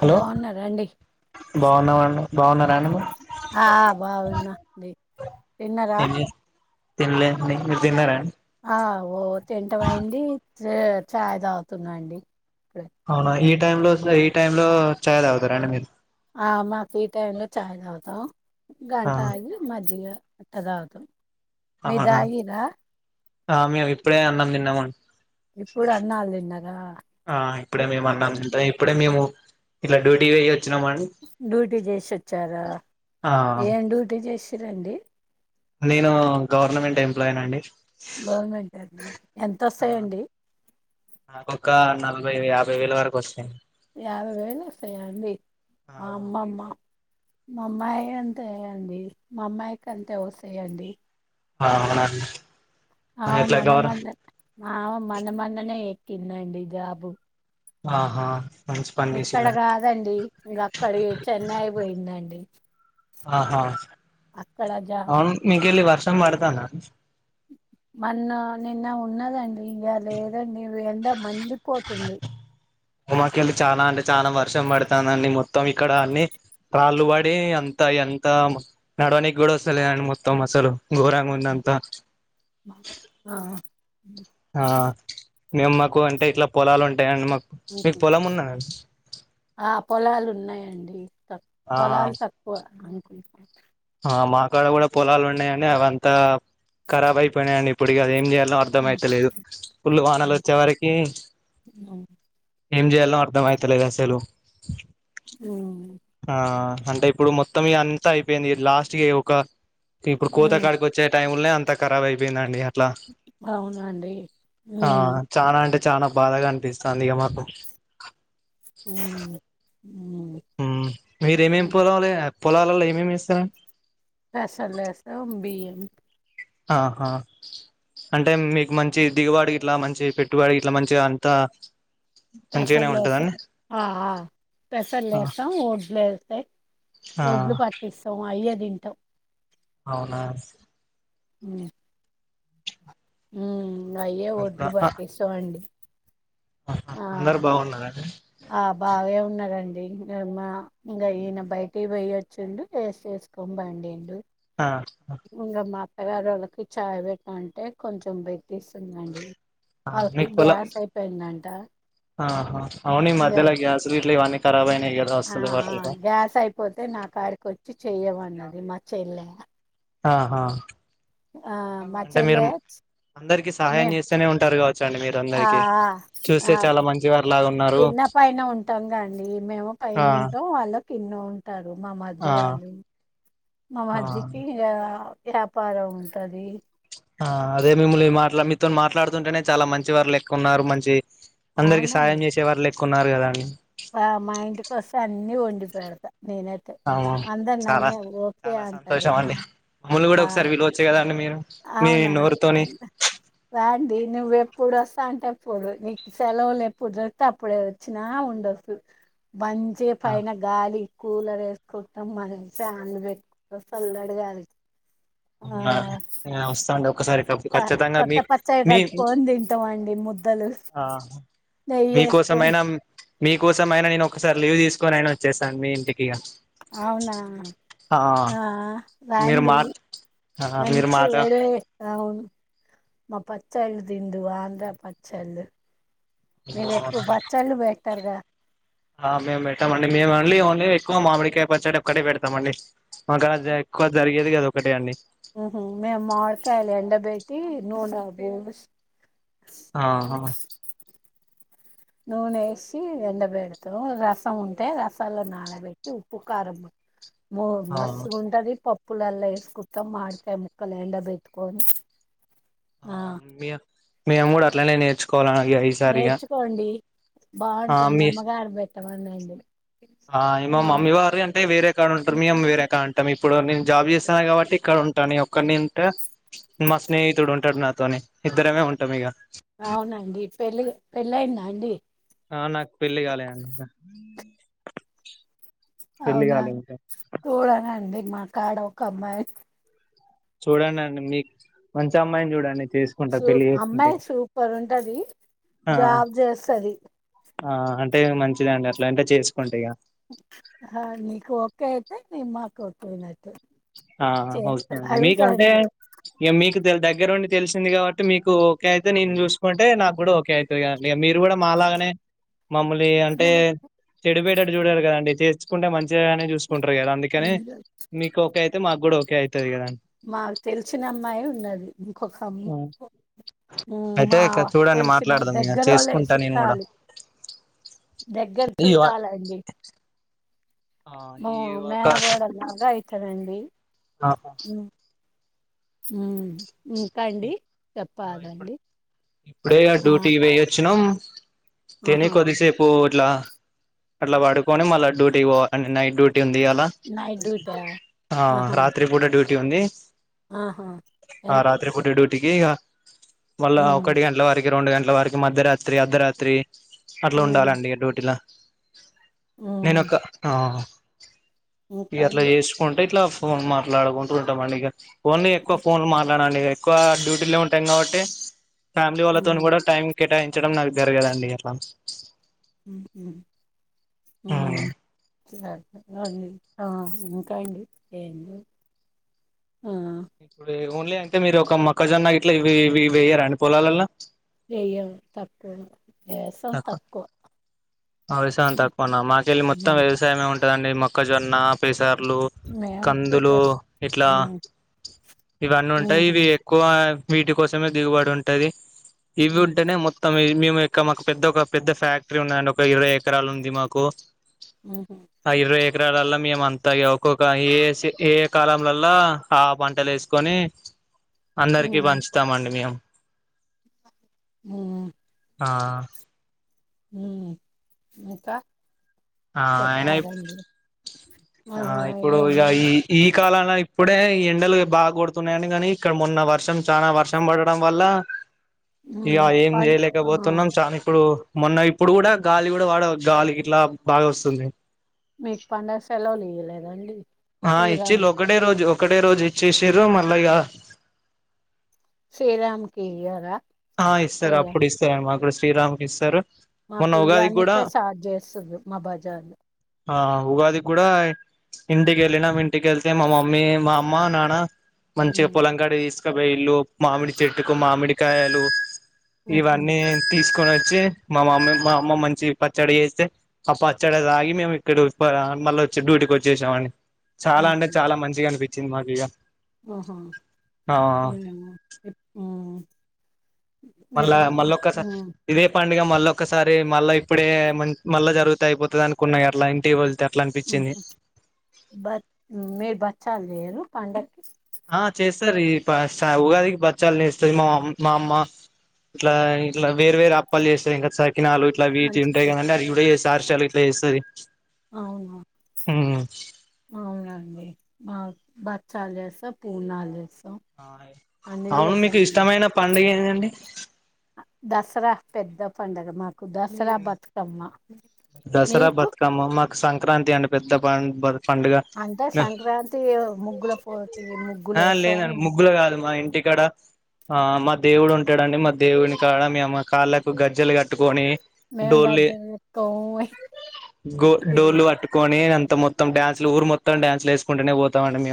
Hello బావున్నరండి, బాగున్నామండి బాగున్నారా అండి మీరు ఆ బావున్నా డి తిన్నర తిన్లే మీ మీరు తిన్నారాన్ ఆ ఓ తింటంఅయింది చే ఛాయ్ తావుతున్న అండి. ఇప్పుడే అవునా ఏ టైం లో అస్స ఈ టైం లో ఛాయ్ తావుతారండి మీరు ఆ మా ఇ టైమ్ లో చాయ్ తావుతం. ఆ గంట ఆగి మజ్జిగ ఇట్ట తావుతం మీరు అవునా దాయిర ఆ మేము ఇప్పుడే అన్నం తిన్నమన్ ఇప్పుడు అన్నాలు దిన్నర ఆ ఇప్పుడే మేము అన్నం తింటాం ఇప్పుడే మేము, ఇట్ల డ్యూటీ వొయ్ డ్యూటీ చేసోచ్చారా, ఆ ఏం డ్యూటీ చేసి రండి నేను గవర్నమెంట్ ఎంప్లాయ్ నండి. గవర్నమెంటేనె ఆ ఎంతొస్సయండి. నల్బైవే యాబైవేల వరకొస్తాయ్. యాబైవేలొస్తయా అండి ఆ అమ్మమ్మ. మమ్మాయి అంతే అండి మా అమ్మాయ్కి అంతే వస్తయండి. అ ఔనండి ఆవ్ మన్న మన్నే ఆవ్ మన్న మన్ననే. కిన్నండి జాబు. ఆహా మంచి పని ఎక్కడ చేసిల్లు గాదండి ఇంగక్కడి చెన్నై బోయిందండి. అహా ఔన్ మీకెళ్ళి వర్ష్ తం బడ్తానా మన్న నిన్న ఉన్నదండి ఇగ లేదండి వెండ మండి. [unintelligible] చానా అంటె చానా వర్షం పడతానండి మొత్తం ఇక్కడ అన్ని రాళ్ళు బడి అంత ఎంత మ నడవనీగ్గూడొస్తలేదండి మొత్తం అసలు. ఘోరంగుందంత. ఆ ఆ మేమ్ మాకు అంటె ఇట్ల పొలాలుం టయండి మాకు మీక్ పొలమున్నద యేండి త పొలాల్ తక్కువ అన్ ఆ మా కాడ గూడా పొలాలు ఉన్నాయని అవంతా కరాబ్ అయిపోయినాయి అండి ఇప్పుడు ఇగ అదేంచేయాలా అర్ధం అయితలేదు ఫుల్ వానాలు ఉమ్, వచ్చే వరకి ఎంజేయాల్ నో అర్ధం అయితలేదు అసలు హ్మ్ ఆ అంటే ఇప్పుడు మొత్తం ఇగ అంత అయిపోయింది లాస్ట్ కి ఒక ఇప్పుడు ఉమ్, కోతాకాడికి వచ్చే టైము నే అంత ఖరాబ్ అయిపోయిందండి అట్లా అవునా అండి ఊ చాలా బాధగా అనిపిస్తాంది ఇగ మాకు ఊ మీరేమేమి పోలలే పొలాలలో ఏమేమి వేసరా అ ఆహా అంటే మీకు మంచి దిగుపాటు ఇట్లా మంచి పెట్టుబడి ఇట్లా మంచి గా అంతా మంచిగానే పెసర్లు వసం ఉంటదండి ఆ పెసర్లు ఆ వేసం ఒడ్లు వేసయి ఆ ఒడ్లు పట్టిస్తాం అయ్యె తింట టం అవునా అ హ్మ్ అయ్యే అట్లా ఒడ్లు ఆ పట్టస్తాం అండి ఆ [unintelligible] అందరు బావున్నారండి ఆ బాగే ఉన్నరు రండి మా ఇంకా ఈయన బయటకి పోయొచ్చుండు ఏసెసుకోని బండిండు ఆ వాళకి చాయ్ పెట్టంటే కొంచెం పెట్టిస్తుందండి ఆ వాళ్ళకి మీకు పోలం గ్యాస్ అయిపోయిందంట ఆ హా అవును ఇంగ మధ్యలో గ్యాసులు ఇట్లు ఇవన్నీ కరాబ్ అయినాయి కదా ఆ వస్తుంది ఆ వాటిల్తొ గ్యాస్ అయిపోతే నా కాడికి వచ్చి చెయ్యమన్నది మ చెల్లె ఆ హా ఆ మా అంటే మీరు చెల్లె అందరికి మే సహాయం చేస్తేనే ఉంటారు కావచ్చు ఆ ఆ మంచివారు లాగా ఉన్నారు కింద పైన ఉంటాం గా అండి మేము పైన ఆ ఉంటాం వాళ్ళ [unintelligible] ఉంటారు మామరిది ఆ వాళ్ళు మా ఆ మర్ది కి ఇంగ వ్యాపారం ఉంటది ఆ అదే మిమ్మల్ని మాట్లా మీతో మాట్లాడుతుంటేనే చాలా మంచి వారు లెక్క ఉన్నారు మంచి అందరికి అవునండి సాహయం చేసేవారులే కున్నారు కదా అండి ఆ మా ఇంటికి వస్తే అన్ని వండిపెడతా నేనైతే అవును అందరు చాలా నన్నేఊరికే అంటారు మమ్ముల్ని కూడా ఒకసారి పిలవచ్చు కద అండి మీరు మీ అవునాండి నోరుతోని రాండి నువు ఎప్పుడు వస్తా అంటే అప్పుడు నీకు సెలవులు ఎప్పుడు దొరికితే అప్పుడే వచ్చినా ఉండొచ్చు మంచిగా ఆ పైన గాలి కూలర్ వేసుకుంటాం మనం ఫ్యాన్లు పెట్టుకుంటాం సల్లటి గాలి ఆ ఆ వస్తా అండి ఒకసారి ఖచ్చితంగా కొత్త మీ పచ్చడి మీ కల్పుకొని తింటామండి ముద్ ఆ వేసుకొని మీకోసమైనా మీ కోసం అయినా నేను ఒకసారి లీవ్ తీసుకోనైనా వచ్చేస్తాను మీ ఇంటికి ఇగ అవునా ఆ మీరు రాండి మా మీరు మంచి మాట వేడి వేడి అవును మా పచ్చళ్ళు తిందువు ఆంధ్ర పచ్చళ్ళు మీరు ఎక్కువ పచ్చళ్ళు పే త్వరగా ఆ మేము పెట్టామండి మేమండి ఓన్లీ ఎక్కువ మామిడికాయ పచ్చడి ఒకటే పెడతామండి మా ఎక్కువ జరిగేది అది ఒక్కటే అండి ఊహూ మేము మామిడి కాయలు ఎండ పెట్టి నూనె బోసి ఆహా నూనె వేసి ఎండబెడతాం రసం ఉంటే రసంలో నానబెట్టి ఉప్పు కారం మో అవును. మస్తుగుంటది. ప పుల్లలలో వేసుకుంటాం మామిడి కాయలు ముక్కలని ఎండ బెట్టుకొని ఆ మీ మేము కూడా అట్లానే నేర్చుకో నేర్చుకోండి బావుంటది మీ అమ్మగారు పెట్ [unintelligible] అయ్యింది ఆ మా మమ్మీ వారు అంటే వేరే కాడ ఉంటారు. మీ అమ్మ వేరే కాడ ఉంటారు. ఇప్పుడు నేను జాబ్ చేస్తన్నాను కాబట్టి ఇక్కడ ఉంటాను. నేను ఒక్కడినే ఉంటే మా స్నేహితుడు ఉంటాడు నాతోని ఇద్దరమే ఉంటాం ఇగ అవునండి పెళ్ళి పెళ్ళయిందా అండి ఆ నాకు పెళ్ళి కాలే అండి ఇక అవునా తూళగా అండి మా కాడ ఒక అమ్మాయి చూడండిండి మీ మంచి అమ్మాయిని చూడండి చేసుకుంటా సూ పెళ్లి చేసుకుంటే అమ్మాయి సూపర్ ఉంటది ఆ ఆ జాబ్ చేస్తది. ఆ అంటే మంచిదండి అట్లా అంటే చేసుకుంట ఇక హ నీకు ఓకే అయితే ని మాకు ఓకే అయినట్టు ఆ ఒకే అండి మీకంటే ఇ మీకు దగ్గర ఉండి తెలిసింది కాబట్టి మీకు ఓకే అయితే నేను చూసుకుంటే నాకు కూడా ఓకే అయితది కదండి. మీరు కూడా మాలాగానే మమ్మల్ని అంటే చెడిపోయటట్టు చూడరు కదండి కుంటే మంచి మంచి గానే చూసుకుంటారు గదా అందుకనే మీ మాకుగూడ ఒకే అయి మాకు తెలిసిన అమ్మాయే ఉన్నది ఇంకొక అమ్మ మ్మ్ అయితే మా ఇక చూడండి తెలిసిన మాట్లాడదాం ఇగ దగ్గరోళ్ళే చేసుకుంటా నేను కూడా సుట్టాలు దగ్గర ఈ వ చుట్టాలండి ఆ మా ఈ మేనకోడలు లాగా అయితదండి ఆహ మ్మ్ ఇంకా అండి చెప్పాలండి [inaudible] ఇప్పుడే అ ఆ డ్యూటీకి పోయిచ్చినం తిని ఆహా కొద్దిసేపు ఇట్లా అట్లా పడుకొని మళ్ళా డ్యూటీకి పోవ నైట్ డ్యూ టి ఉంది ఇయ్యాల నైట్ డ్యూటా అ ఆహా రాత్రి పూట డ్యూటీ టి ఉంది ఆహా ఎన్ టిగె ఇగ మళ్ళా హ్మ్ ఒకటి గంటల వరకి ఈ రెండు గంటల వరకు మధ్యరాత్రి అర్ధరాత్రి అట్లా హ్మ్ ఉండాలండి ఇగ డ్యూటీల హ్మ్ నేనొక్క అ ఇగ ఇంకా అట్లా అండి చేసుకుంట ఇట్లా ఫోన్ మాట్లాడుకుంటు ఉంటమండి ఇగ ఓన్లీ ఎక్కువ ఫోన్ మా నండి ఇగ ఎక్కువ డ్యూటీల్ నే ఉ టం కాబట్టి ఫ్యామిలీ అవునా వాళ్ళతోని కూడా టైమ్ కేటాయి చ్చడం నాకు జరగదండి అట్లా మ్మహ్ మ్మ్ [inaudible] అండి ఆ, ఇంకా అండి, ఏం లేద్ ఇప్పుడే ఓన్లీ అంటే మీరు ఒక మొక్కజొన్న ఇట్లా ఇవి ఇవి వెయ్యరా అండి పొలాలల్లా వెయ్యం తప్తదా వేసం తక్కువ అవసయం తక్కువ నా మాకేళ్ళి మొత్తం హ్మ్ వ్యసయమే ఉంట టదాండి మొక్కజొన్న పేసర్ లు మేము ఎక్కువ కందులు ప్రెస్ ఇట్లా హ్మ్ ఇవన్నీ ఊహూ ఉంటాయి ఇవి ఎక్కువ వీటి కోసమే దిగుబడి ఉంటది ఇవి హ్మ్ ఉంటనే మొత్తం ఈ మేము ఇక్క మాకు పెద్ద ఒక పెద్ద ఫ్యాక్టరీ ఉన్నదండి ఒ ఒక ఇరవై ఎకరాలు ఉంది మాకు ఊహు ఎకరాలలో మేము అంతా ఇగ ఒక్కొక్క ఏస్ ఏ ఏ కాలంలల్ల ఆ పంటలు వేసుకొని అందరికి పంచుతాము అండి మేం ఊమ్ ఆ హ్మ్ ఇంక ఆ ఆయన ఆ ఇప్పుడు ఏం ఇగ లేదు ఈ ఈ కాలా ఆ ఇప్పుడే ఈ ఎండలు బాగా కొడుతున్నయండి కానీ ఇక్కడ మొన్న వర్షం చాన వర్షం పడడం వల్ల ఇగ ప ఏం చేయలేకపోతున్నాం చానా ఇప్పుడు మొన్న ఇప్పుడు కూడా గాలి కూడా వడ గాలి గిట్లా బాగ వస్తుంది మీక్ పండగ సెలవలు ఇయలేదండి ఆ ఇచిల్లు ఒకటే రోజు ఒకటే రోజు ఇచ్చేసిర్రు మల్ల ఇగ శ్రీరాంకి ఇయర ఆ ఇస్తారు అప్పుడు ఇస్తార్ మాక్ ఇస్ టీరామ్ కి ఇస్తారు మా మొన్న ఉగాదికి కూడా పియానీకే సాట్ జేస్తుంది మా బజార్ లో ఆ ఉగాదిక్ కూడా ఇంటికి ఎల్లినం ఇంటికెళ్తే మా మమ్మీ మా అమ్మ నాన మంచిగ ఉమ్, పొలంకాడ తీస్ కబొయిల్లు మామిడి చెట్టుకు మామిడికాయ లు ఉహు ఇవన్నీ తీసుకొనొ వచ్చి మా మమ్మీ మా అమ్మ మంచి పచ్చడి చేస్తే ఆ పచ్చడి తాగి మేము ఇక్కడ ఒస్తా మళ్ళీ వచ్చి డ్యూటీకి వచ్చేశాం అండి చాలా అంటే చాలా మంచిగా అనిపి తిన్ మాకీగా ఓహో ఊ ఉఊ మళ్ళా మళ్ళ ఒక్కసా ఇదే ప డుగా మళ్ళ ఒకసారి మళ్ళ ఇప్పుడే మ మళ్ళ జరుగుతె అయిపోతది అనుకున్న ఇగ అట్లా ఇంటి రోజ్ ఉహు బట్ మీ బచ్ స్తంది కద పండకి ఆ చేస్తారు ఈ ప స ఉగాదికి పచ్చళ్ళు చేస్తాది. మా ఆ మా అమ్మ ఇట్ల ఇట్ల వేరు వేరు అప్పాల్ చేస్తాది. ఇంకా లాలు ఇట్ల వీటియి మంచి ఉంటాయి. కద అండి అది కూడా చేస్ అర్షలు గిట్ల చేస్తది. అవును అవునండి మా బ క్ష్యల్ చేస్తా పూర్ణల్ చేస్తా అవును. మీకు ఇష్టమైన పండుగ ఏంది అండి అంటే దసరా పెద్ద పండుగ మాక్ దసరా బతుకమ్మ దసరా మీకు బతుకమ్మ మాకు సంక్రాంతి అండి. పెద్ద పం బత్ అంటే సంక్రాంతి ముగ్గుల పోటి ముగ్గులు ఆ ఏస్తాం. లేదండి ముగ్గులు కాదు మా ఇంటికాడ ఆ మా దేవుడు ఉంటాడండి. మా దేవుడిని కాడ మేము కాళ్ళకు గజ్జెలు కట్టుకొని మేము డోలె గజ్జలు ఎత్తుకోం గో డోళ్లు వట్టుకొని అం మొత్తం మొత్తం డాన్సులు ఊరు మొత్తం డాన్సులు వేసుకుంటనే పొ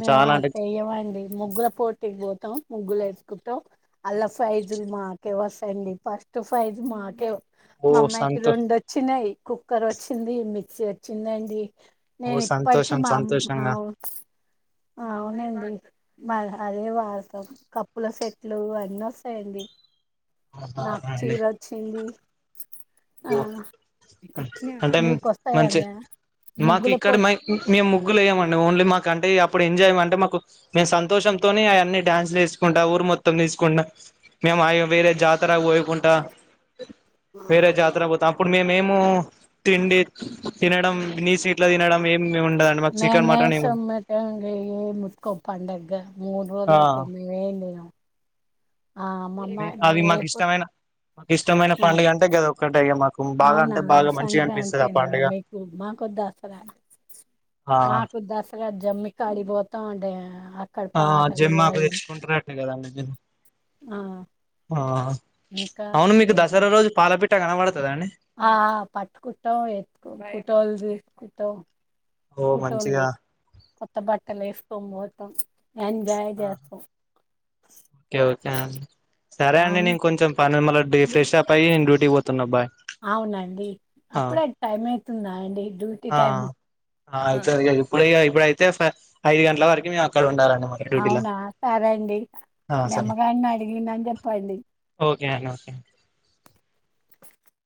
మేము ఆ చెయ్యమండి ముగ్గుల పోటీకి పోతాం ముగ్గులెస్ కుట్టో అల్ల ఫైజులు మాకే వస్తయండి. ఫస్ట్ ఫైజు మాకే ఓ మా అమ్మాయికి సంతో రెండు వొచ్చినాయి. కుక్కర్ వోచ్చింది. మీ సెచ్చిందండి ఓ నేన్ ఇప్పటికిీ సంతోషం మా ఆమ్మ సంతోషంగా ఆవు అవును అండి. మా అదే వాస్తవం కప్పుల సెట్లు అన్ని వస్తాయండి. నాకు అవునండి చీర వొచ్చింది. ఓ అంటే మీకు మంచి వస్తాయండి మాకు ముగ్గుల ఇక్కడ పోటీ మాకు మేము ముగ్గులు వేయమండి. ఓన్లీ మాకు అంటే ఇప్పుడు ఎంజాయ్ అంటే మాకు మేము సంతోషంతోని అయి అన్ని డ్యాన్స్లు చేసుకుంటా ఊరు మొత్తం తీసుకుంట మేము ఆ వేరే జాతర పోయుకుంటా నో తారకు పోతాం. అప్పుడు మేం మేం తిండి తినడం నీస్ గిట్ల తినడం. ఏం మేనే సమ్మట [unintelligible] ఓక్క పండగ మూడు ఆ రోజుల దాకా మేం ఏం తినం. ఆ అమ్మమ్మ ఆనే అది మాకు లేపు ఇష్టమైన మాకు ఇష్టమైన పండుగ అంటే గాదొక్కటే ఇగ మాకు బాగా అవునా అంటే బాగా మంచిగా అనిపిస్తది ఆ సంక్రాంతేనా పండుగ మీకు మా కొ దసరా ఆ మాకు దాస్ సారా జమ్మి కాడికి పోతాం అంటే అక్కడ ఆ పాటలు జెమ్మ ఆకు అవి తెచ్చుకుంటారు. అట్న్ కాదండి ఆ ఇంకా అవును మీకు ఏం దసరా లేదు రోజు పాలపిట్ట ట్ట కనబడది ఆ పట్కుట్టం ఎతుకోన్ ఫోటోల్డి కుతో ఓ పుటోలుగు మంచిగా కొత్త బట్టలు వేసుకోన్ పోతు తంగ్ ఎంజాయ్ ఆ చేస్తాం ఓకే ఓకే అన్ సరే అండి నేను అవును కొంచెం పని ఉం మళ్ళ ఫెష్ అప్ అయ్యి నేన్ డ్యూట్ పోతున్న బాయ్ అవునండి అప్పుడే టైమే తిన్నా అండి డ్యూటీ ఆ టైము ఆ అయితే ఇప్పుడు ఇప్పుడ అయితే ఫ ఐదు గంటల వరకు మేము అక్కడ ఉండాలా అవునా సరే అండి సరే నిమ్మగాన్ని అడిగిందని చెప్పండి క ఓకే